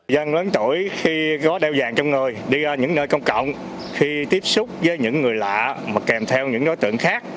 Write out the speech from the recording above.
dân lớn tuổi khi có đeo vàng trong người đi ra những nơi công cộng khi tiếp xúc với những người lạ mà kèm theo những đối tượng khác